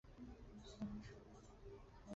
阿克和瑟南站门口设有社会车辆停车场。